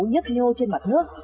nhấp nhô trên mặt nước